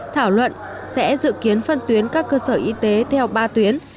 thảo luận sẽ dự kiến phân tuyến các cơ sở y tế theo ba tuyến